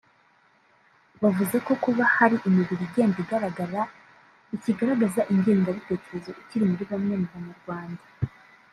wavuze ko kuba hari imibiri igenda igaragara bikigaragaza ingengabitekerezo ikiri muri bamwe mu Banyarwanda